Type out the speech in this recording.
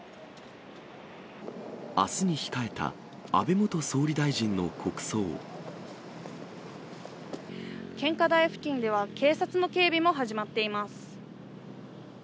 あすに控えた安倍元総理大臣献花台付近では、警察の警備も始まっています。